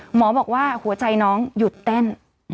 หมอบอกว่าหัวใจน้องหยุดเต้น